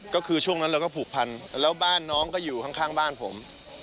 ก็คือช่วงนั้นเราก็ผูกพันแล้วบ้านน้องก็อยู่ข้างบ้านผม